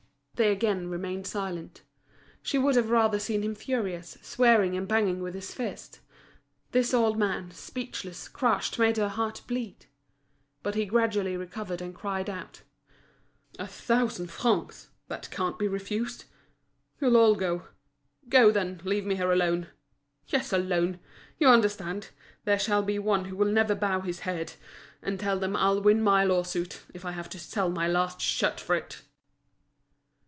They again remained silent. She would have rather seen him furious, swearing and banging with his fist; this old man, speechless, crushed, made her heart bleed. But he gradually recovered and cried out: "A thousand francs! that can't be refused. You'll all go. Go, then, leave me here alone. Yes, alone—you understand! There shall be one who will never bow his head. And tell them I'll win my lawsuit, if I have to sell my last shirt for it!"